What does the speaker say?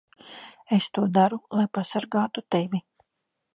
Es to daru, lai pasargātu tevi.